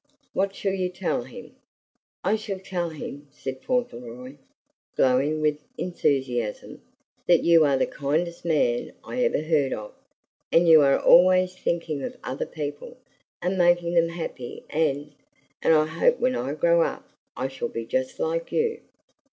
"What shall you tell him?" "I shall tell him," said Fauntleroy, glowing with enthusiasm, "that you are the kindest man I ever heard of. And you are always thinking of other people, and making them happy and and I hope when I grow up, I shall be just like you."